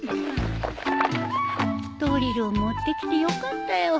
ドリルを持ってきてよかったよ